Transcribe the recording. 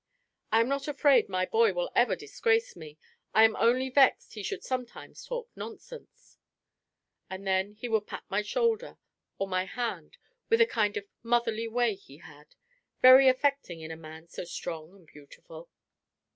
I am not afraid my boy will ever disgrace me; I am only vexed he should sometimes talk nonsense." And then he would pat my shoulder or my hand with a kind of motherly way he had, very affecting in a man so strong and beautiful.